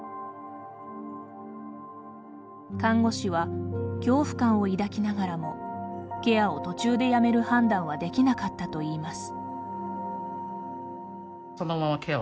看護師は恐怖感を抱きながらもケアを途中でやめる判断はできなかったといいます。